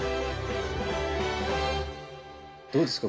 どうですか？